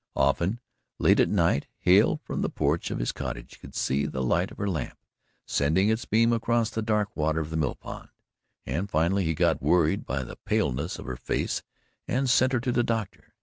Often, late at night, Hale, from the porch of his cottage, could see the light of her lamp sending its beam across the dark water of the mill pond, and finally he got worried by the paleness of her face and sent her to the doctor.